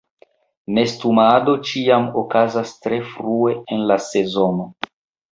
Nestumado ĉiam okazas tre frue en la sezono.